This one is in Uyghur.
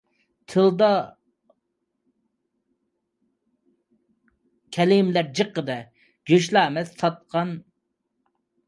تىلدا خۇدا كەلىمىلەر جىققىدە، گۆشلا ئەمەس ساتقان ئىمان ئەسلىدە!